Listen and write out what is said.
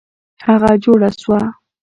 هغه جوړه سوه.